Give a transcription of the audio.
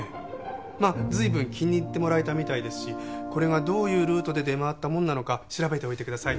まあ随分気に入ってもらえたみたいですしこれがどういうルートで出回ったものなのか調べておいてください。